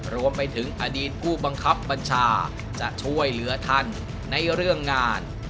รวมไปถึงอดีตผู้บังคับบัญชาจะช่วยเหลือท่านในเรื่องงาน